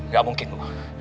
gak mungkin bu